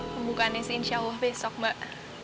pembukaannya si insya allah besok mbak